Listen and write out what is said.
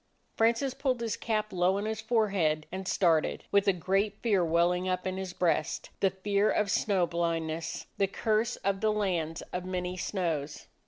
Francis pulled his cap low on his forehead and started, with a great fear welling up in his breast; the fear of snow blindness, the curse of the lands of many snows.